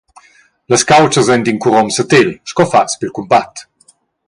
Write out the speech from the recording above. Las caultschas ein d’in curom satel, sco fatgas pil cumbat.